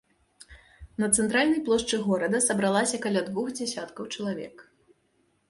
На цэнтральнай плошчы горада сабралася каля двух дзесяткаў чалавек.